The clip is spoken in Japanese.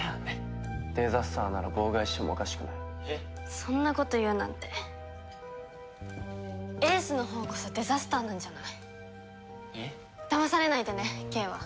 そんなこと言うなんて英寿のほうこそデザスターなんじゃない？えっ？だまされないでね景和。